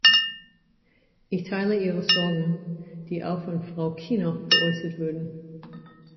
Ich teile ihre Sorgen, die auch von Frau Kinnock geäußert wurden.